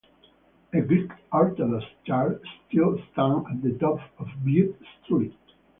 A Greek Orthodox church still stands at the top of Bute Street.